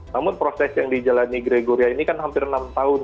namun proses yang dijalani gregoria ini kan hampir enam tahun